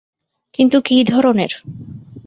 কিন্তু কী ধরণের?